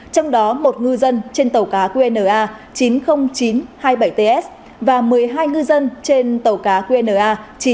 trong đó một ngư dân trên tàu cá qna chín mươi nghìn chín trăm hai mươi bảy ts và một mươi hai ngư dân trên tàu cá qna